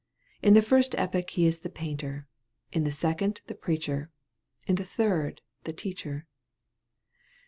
In the first epoch he is the painter, in the second the preacher, in the third the teacher.